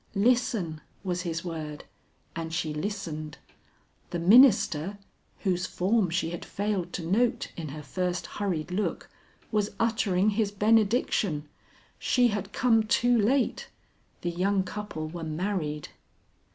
'Listen!' was his word, and she listened. The minister, whose form she had failed to note in her first hurried look, was uttering his benediction. She had come too late. The young couple were married.